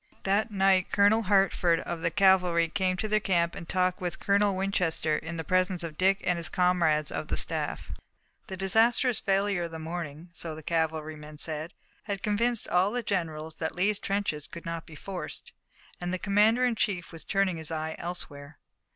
That night Colonel Hertford of the cavalry came to their camp and talked with Colonel Winchester in the presence of Dick and his comrades of the staff. The disastrous failure of the morning, so the cavalryman said, had convinced all the generals that Lee's trenches could not be forced, and the commander in chief was turning his eye elsewhere.